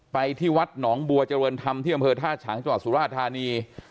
ไปที่วัดหนองบัวเจริญธรรมที่อำเภอท่าฉางจังหวัดสุราธานี